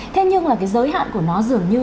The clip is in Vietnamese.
thế nhưng là cái giới hạn của nó dường như